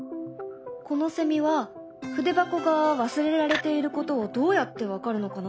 このセミは筆箱が忘れられていることをどうやって分かるのかな？